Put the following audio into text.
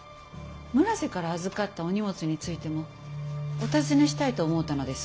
村瀬から預かったお荷物についてもお尋ねしたいと思うたのです。